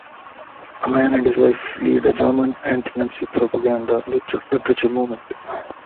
A man and his wife lead a German anti-Nazi propaganda literature movement.